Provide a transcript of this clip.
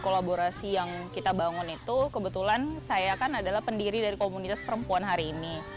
kolaborasi yang kita bangun itu kebetulan saya kan adalah pendiri dari komunitas perempuan hari ini